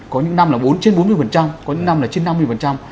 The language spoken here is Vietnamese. có những năm là bốn trên bốn mươi có những năm là trên năm mươi